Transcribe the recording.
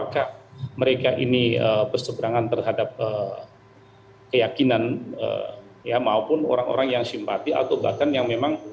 terseberangan terhadap keyakinan maupun orang orang yang simpati atau bahkan yang memang